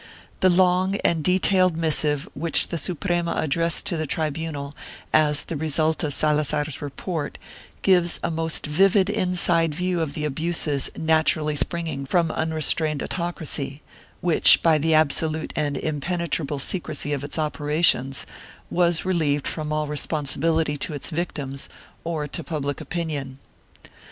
The long and detailed missive which the Suprema addressed to the tribunal, as the result of Salazar's report, gives a most vivid inside view of the abuses naturally springing from unrestrained autocracy, which, by the absolute and impenetrable secrecy of its opera tions, was relieved from all responsibility to its victims or to public opinion.